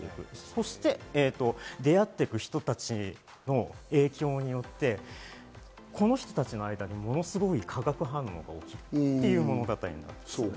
そして出会っていく人たちの影響によって、この人たちの間にものすごい化学反応が起きるっていう物語になっています。